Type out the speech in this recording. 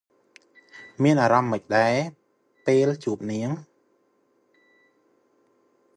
មានអារម្មណ៍ម៉េចដែរ ពេលជួបនាង?